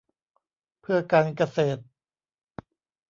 เพื่อการเกษตร